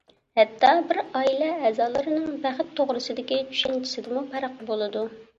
ھەتتا بىر ئائىلە ئەزالىرىنىڭ بەخت توغرىسىدىكى چۈشەنچىسىدىمۇ پەرق بولىدۇ.